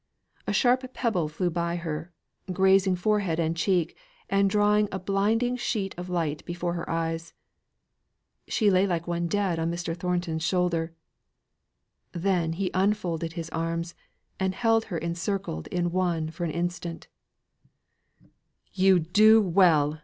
A sharp pebble flew by her, grazing forehead and cheek, and drawing a blinding sheet of light before her eyes. She lay like one dead on Mr. Thornton's shoulder. Then he unfolded his arms, and held her encircled in one for an instant: "You do well!"